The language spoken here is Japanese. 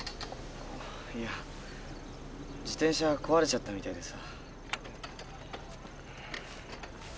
いや自転車が壊れちゃったみたいでさ。